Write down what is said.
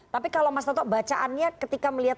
tapi kalau mas toto bacaannya ketika melihat